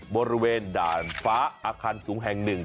บริเวณด่านฟ้าอาคารสูงแห่ง๑